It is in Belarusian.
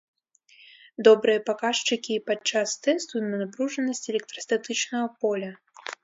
Добрыя паказчыкі і пад час тэсту на напружанасць электрастатычнага поля!